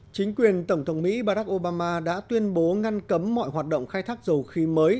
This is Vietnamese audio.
chính quyền tổng thống mỹ barack obama đã tuyên bố ngăn cấm mọi hoạt động khai thác dầu khí mới